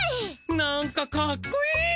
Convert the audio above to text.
なんかかっこいい！